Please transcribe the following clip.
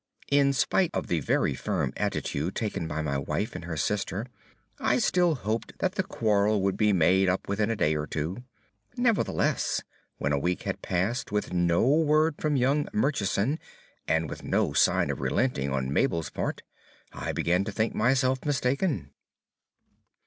In spite of the very firm attitude taken by my wife and her sister, I still hoped that the quarrel would be made up within a day or two. Nevertheless, when a week had passed with no word from young Murchison, and with no sign of relenting on Mabel's part, I began to think myself mistaken.